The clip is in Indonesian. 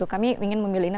kami ingin memilih ini